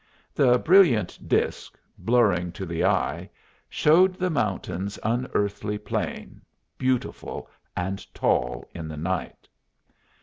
The brilliant disk, blurring to the eye, showed the mountains unearthly plain, beautiful, and tall in the night.